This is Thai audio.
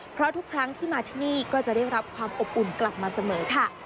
เพราะทุกครั้งที่มาที่นี่ก็จะได้รับความอบอุ่นกลับมาเสมอค่ะ